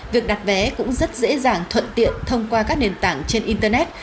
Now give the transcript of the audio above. việc đặt vé cũng rất dễ dàng thuận tiện thông qua các nền tảng trên internet